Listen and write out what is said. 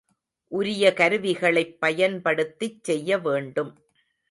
உரிய கருவிகளைப் பயன்படுத்திச் செய்யவேண்டும்.